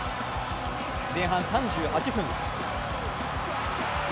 前半３８分。